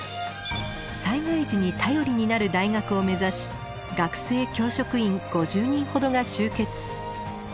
災害時に頼りになる大学を目指し学生・教職員５０人ほどが集結。